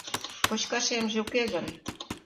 Кочкашемже уке гын?